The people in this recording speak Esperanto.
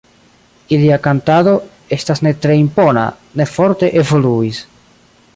Ilia kantado estas ne tre impona, ne forte evoluis.